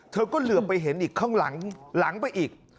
เธอก็เหลือไปเห็นอีกข้างหลังไปอีก